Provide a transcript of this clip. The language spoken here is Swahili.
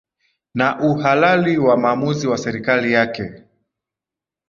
na uhalali wa maamuzi wa serikali yake